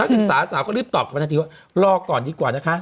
ศึกษาสาวก็รีบตอบกลับมาทันทีว่ารอก่อนดีกว่านะคะ